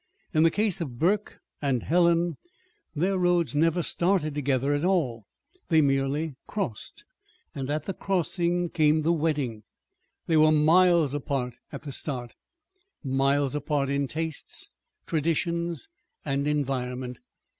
In the case of Burke and Helen, their roads never started together at all: they merely crossed; and at the crossing came the wedding. They were miles apart at the start miles apart in tastes, traditions, and environment.